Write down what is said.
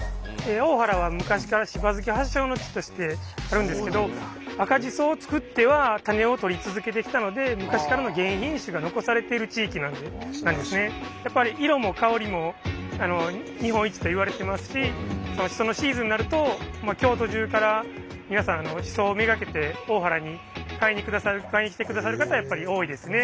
大原は昔からしば漬け発祥の地としてあるんですけど赤じそを作っては種を採り続けてきたのでやっぱり色も香りも日本一といわれてますししそのシーズンになると京都中から皆さんしそを目がけて大原に買いに来てくださる方はやっぱり多いですね。